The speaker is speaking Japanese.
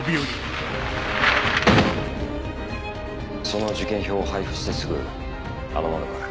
その受験票を配布してすぐあの窓から。